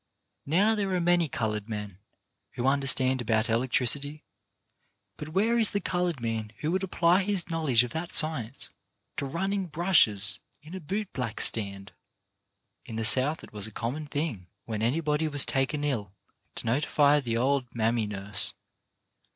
Now there are many coloured men who understand about elec tricity, but where is the coloured man who would apply his knowledge of that science to running brushes in a boot black stand? In the South it was a common thing when any body was taken ill to notify the old mammy nurse.